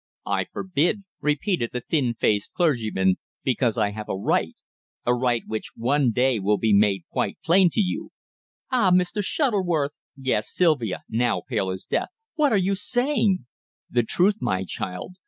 "I forbid," repeated the thin faced clergyman, "because I have a right a right which one day will be made quite plain to you." "Ah! Mr. Shuttleworth," gasped Sylvia, now pale as death, "what are you saying?" "The truth, my child.